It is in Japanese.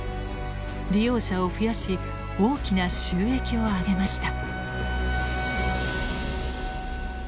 利用者を増やし大きな収益をあげました。